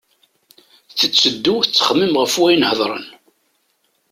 Tetteddu tettxemmim ɣef wayen hedren.